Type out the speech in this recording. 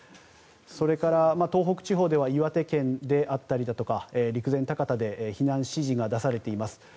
それから、東北地方では岩手県であったりだとか陸前高田で避難指示が出されています。